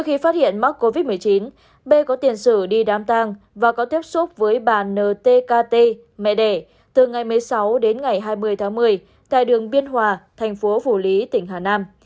khi phát hiện mắc covid một mươi chín b có tiền sử đi đám tàng và có tiếp xúc với bà ntkt mẹ đẻ từ ngày một mươi sáu đến ngày hai mươi tháng một mươi tại đường biên hòa thành phố phủ lý tỉnh hà nam